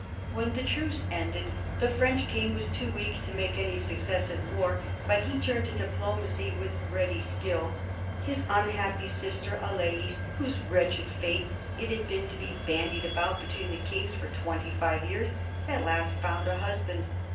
When the truce ended the French king was too weak to make any success in war ; but he turned to diplomacy with ready skill. His unhappy sister Alais, whose wretched fate it had been to be bandied about between the kings for twenty five years, at last found a husband.